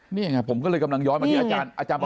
นี่ไงผมก็เลยกำลังย้อนมาที่อาจารย์